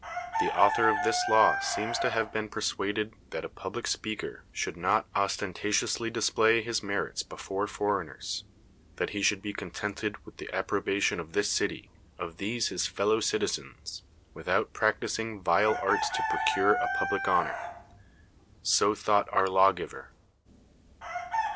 The author of this law seems to have been persuaded that a public speaker should not ostentatiously tlisplay his merits before foreigners: that he should be contented with the approbation of this city, of these his fellow citizens, without prac tisinsT vile arts to procure a public honor. So thought our lawgiver.